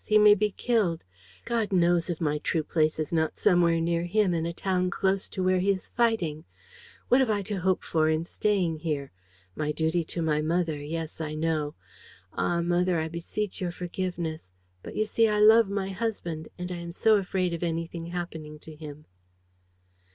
He may be killed. God knows if my true place is not somewhere near him, in a town close to where he is fighting! What have I to hope for in staying here? My duty to my mother, yes, I know. Ah, mother, I beseech your forgiveness ... but, you see, I love my husband and I am so afraid of anything happening to him!